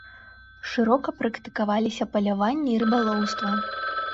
Шырока практыкаваліся паляванне і рыбалоўства.